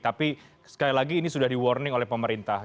tapi sekali lagi ini sudah di warning oleh pemerintah